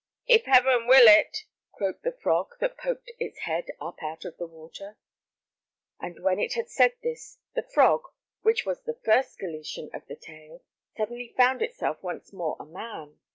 "If Heaven will it," croaked a frog that poked its head up out of the water. And when it had said this, the frog, which was the first Galician of the tale, suddenly found itself once more a man.